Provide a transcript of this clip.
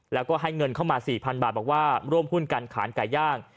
แล้วก็ให้เงินเข้ามา๔๐๐๐บาทบอกว่าร่วมหุ้นกันขายไก่ย่าง